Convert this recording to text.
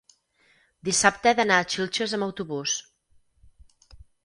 Dissabte he d'anar a Xilxes amb autobús.